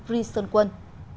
ri sơn quân